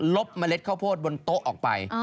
เมล็ดข้าวโพดบนโต๊ะออกไป